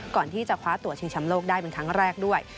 ก่อนที่จะคว้าตัวชิงชำโลกได้เป็นครั้งแรกด้วย